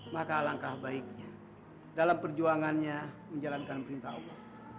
maka langkah baiknya dalam perjuangannya menjalankan perintah allah